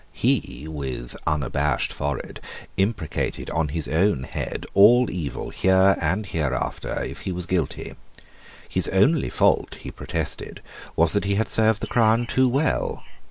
He, with unabashed forehead, imprecated on his own head all evil here and hereafter if he was guilty. His only fault, he protested, was that he had served the crown too well.